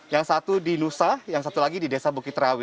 yang satu di nusa yang satu lagi di desa bukit rawi